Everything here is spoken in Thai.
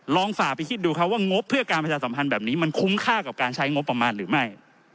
ฝ่าไปคิดดูครับว่างบเพื่อการประชาสัมพันธ์แบบนี้มันคุ้มค่ากับการใช้งบประมาณหรือไม่